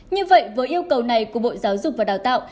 như vậy với yêu cầu này của bộ giáo dục và đào tạo